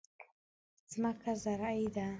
ځمکه زرعي ده.